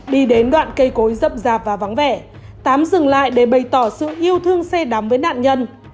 đi đến đoạn cây cối rậm rạp và vắng vẻ tám dừng lại để bày tỏ sự yêu thương xe đắng với nạn nhân